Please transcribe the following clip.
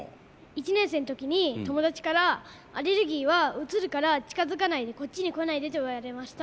「１年生のときに友達からアレルギーはうつるから近づかないでこっちに来ないでと言われました」。